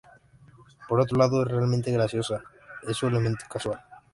Por otro lado, es realmente graciosa... Es su elemento casual.